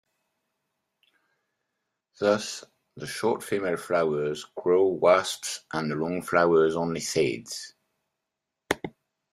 Thus, the short female flowers grow wasps and the long flowers only seeds.